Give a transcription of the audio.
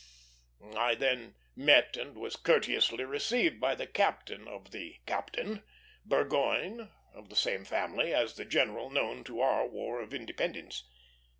I then met and was courteously received by the captain of the Captain, Burgoyne, of the same family as the general known to our War of Independence.